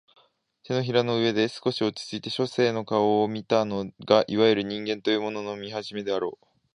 掌の上で少し落ちついて書生の顔を見たのがいわゆる人間というものの見始めであろう